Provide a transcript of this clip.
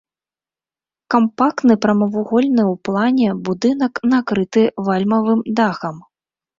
Кампактны прамавугольны ў плане будынак накрыты вальмавым дахам.